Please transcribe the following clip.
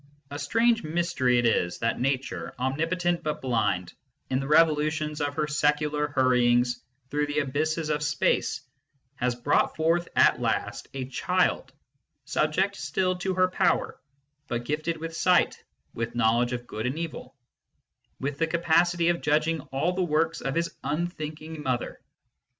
A strange mystery it is that Nature, omnipotent but blind, in the revolutions of her secular hurryings through the abysses of space, has brought forth at last a child, subject still to her power, but gifted with sight, with knowledge of good and evil, with the capacity of judging all the works of his unthinking Mother.